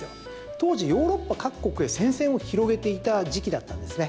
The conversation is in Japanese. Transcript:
当時、ヨーロッパ各国へ戦線を広げていた時期だったんですね。